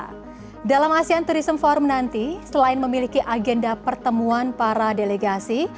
dalam asean tourism forum nanti selain memiliki agenda pertemuan para delegasi